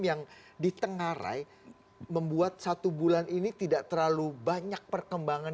yang ditengarai membuat satu bulan ini tidak terlalu banyak perkembangan